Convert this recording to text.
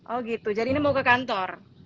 oh gitu jadi ini mau ke kantor